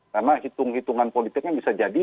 karena hitung hitungan politiknya bisa jadi